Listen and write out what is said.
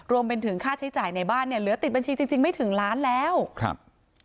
รวมถึงค่าใช้จ่ายในบ้านเนี่ยเหลือติดบัญชีจริงจริงไม่ถึงล้านแล้วครับ